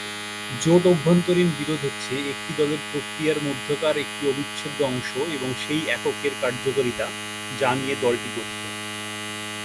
জোট অভ্যন্তরীণ বিরোধ হচ্ছে একটি দলের প্রক্রিয়ার মধ্যকার একটি অবিচ্ছেদ্য অংশ এবং সেই এককের কার্যকারিতা যা নিয়ে দলটি গঠিত।